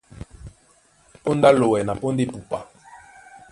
Póndá á lowɛ na póndá epupa.